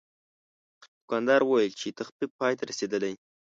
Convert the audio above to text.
دوکاندار وویل چې تخفیف پای ته رسیدلی.